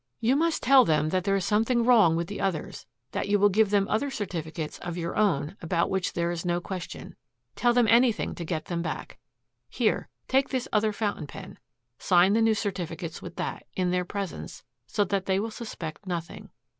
"You must tell them that there is something wrong with the others, that you will give them other certificates of your own about which there is no question. Tell them anything to get them back. Here take this other fountain pen, sign the new certificates with that, in their presence so that they will suspect nothing.